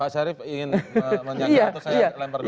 pak syarif ingin menyangka atau saya lempar dulu